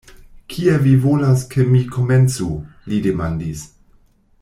"Kie vi volas ke mi komencu?" li demandis.